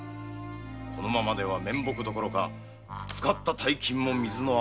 このままでは面目どころかつかった大金も水の泡。